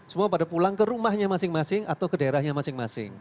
semua pada pulang ke rumahnya masing masing atau ke daerahnya masing masing